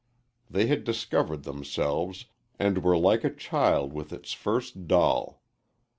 They had discovered themselves and were like a child with its first doll.